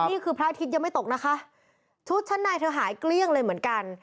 นี่คือพระอาทิตย์ยังไม่ตกนะคะชุดชั้นในเธอหายเกลี้ยงเลยเหมือนกัน